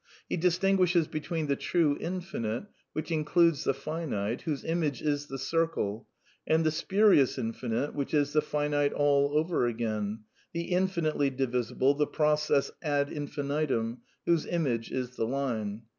He dis tinguishes between the true Infinite, which includes the finite, whose image is the circle, and the spurious Infinite which is the finite all over again, the infinitely divisible, the process ad infinitum, whose image is the line.